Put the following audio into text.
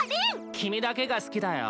君だけが好きだよ。